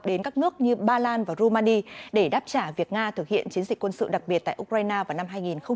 đến các nước như ba lan và rumani để đáp trả việc nga thực hiện chiến dịch quân sự đặc biệt tại ukraine vào năm hai nghìn hai mươi